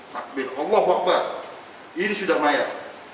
takbir allah wabah ini sudah mayat